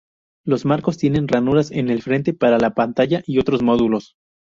Los marcos tienen ranuras en el frente para la pantalla y otros módulos.